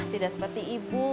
tidak seperti ibu